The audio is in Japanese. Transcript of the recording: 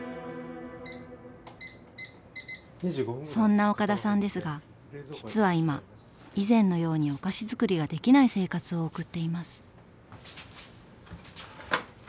そんな岡田さんですが実は今以前のようにはお菓子づくりができない生活を送っています。